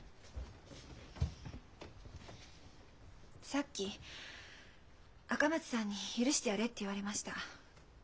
さっき赤松さんに「許してやれ」って言われました。